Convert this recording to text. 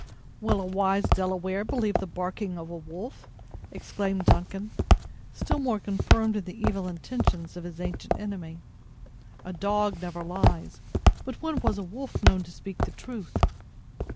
"Will a wise Delaware believe the barking of a wolf?" exclaimed Duncan, still more confirmed in the evil intentions of his ancient enemy: "a dog never lies, but when was a wolf known to speak the truth?"